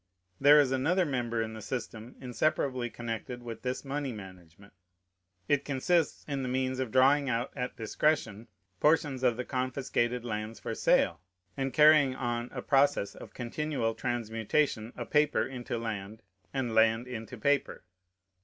There is another member in the system inseparably connected with this money management. It consists in the means of drawing out at discretion portions of the confiscated lands for sale, and carrying on a process of continual transmutation of paper into land and land into paper.